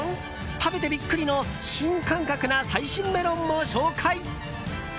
食べてビックリの新感覚な最新メロンも紹介。